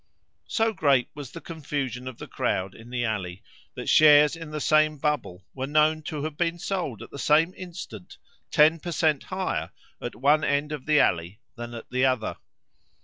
So great was the confusion of the crowd in the alley, that shares in the same bubble were known to have been sold at the same instant ten per cent higher at one end of the alley than at the other.